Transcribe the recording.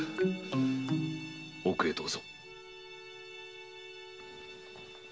奥へどうぞ。